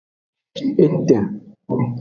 Etin.